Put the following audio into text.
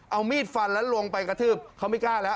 เอามีดฟันแล้วลงไปกระทืบเขาไม่กล้าแล้ว